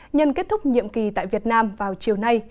nhân kết thúc nhiệm kỳ tại việt nam vào chiều nay